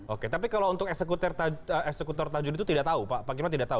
oke tapi kalau untuk eksekutor tajun itu tidak tahu pak pak kiplan tidak tahu